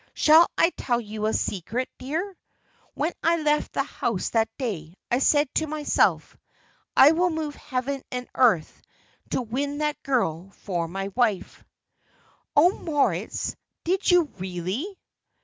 Shall I tell you a secret, dear? When I left the house that day I said to myself, 'I will move heaven and earth to win that girl for my wife.'" "Oh, Moritz, did you really?"